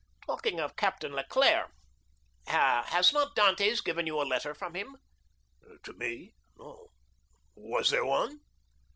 "Talking of Captain Leclere, has not Dantès given you a letter from him?" "To me?—no—was there one?"